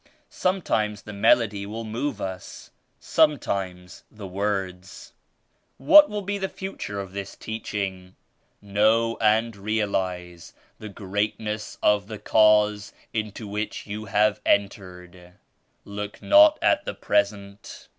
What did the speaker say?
Sometimes the melody will move us, sometimes the words." "What will be the future of this Teaching?" "Know and realize the greatness of the Cause into which you have entered. Look not at the present.